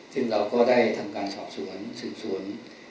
ซึ่งเราก็ได้ทำการสอบสวนสืบสวน